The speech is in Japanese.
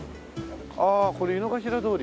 ああこれ井ノ頭通り。